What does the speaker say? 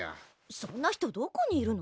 そんな人どこにいるの？